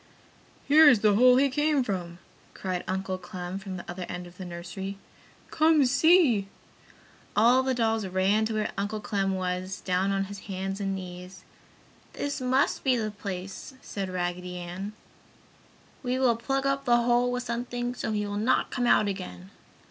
"Here is the hole he came from!" cried Uncle Clem from the other end of the nursery. "Come, see!" All the dolls ran to where Uncle Clem was, down on his hands and knees. "This must be the place!" said Raggedy Ann. "We will plug up the hole with something, so he will not come out again!"